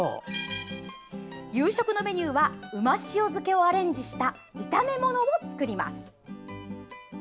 夕食のメニューは旨塩漬けをアレンジした炒め物を作ります。